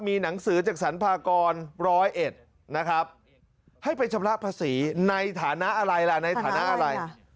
มีหนังสือจากสรรพากรร้อยเอ็ดให้ไปชำระภาษีในฐานะอะไร